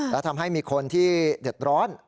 และทำให้มีคนที่เดือดร้อน